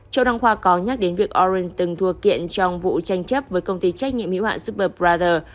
châu đăng khoa có nhắc đến việc orange từng thua kiện trong vụ tranh chấp với công ty trách nhiệm hữu hạn superbrother